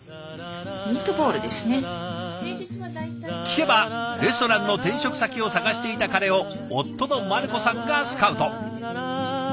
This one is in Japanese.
聞けばレストランの転職先を探していた彼を夫のマルコさんがスカウト。